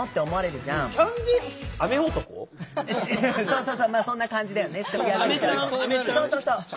そうそうまあそんな感じだよね。